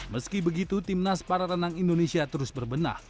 meski begitu timnas para renang indonesia terus berbenah